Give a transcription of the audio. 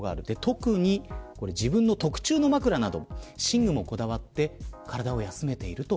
特に自分の特注の枕など寝具もこだわって体を休めている。